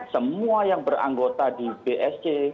semua yang beranggota di bsc